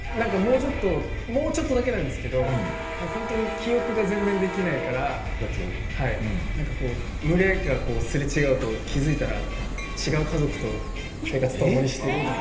もうちょっとだけなんですけど記憶が全然できないから群れがすれ違うと気づいたら違う家族と生活を共にしてるとか。